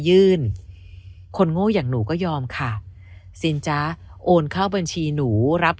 ยื่นคนโง่อย่างหนูก็ยอมค่ะซินจ๊ะโอนเข้าบัญชีหนูรับ